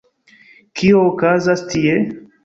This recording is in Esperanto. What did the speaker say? Kio okazas tie?